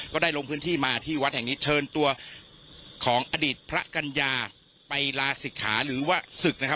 ก็ได้ลงพื้นที่มาที่วัดแห่งนี้เชิญตัวของอดีตพระกัญญาไปลาศิกขาหรือว่าศึกนะครับ